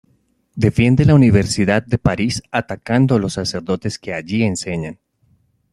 Defiende la universidad de París atacando a los sacerdotes que allí enseñan.